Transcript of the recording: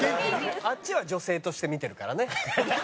あっちは女性として見てるからね。